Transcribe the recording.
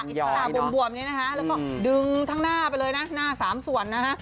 ตาบวมนี้นะคะแล้วก็ดึงทั้งหน้าไปเลยนะหน้าสามส่วนนะฮะ